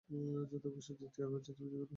যত খুশি চিৎকার চেঁচামেচি কর।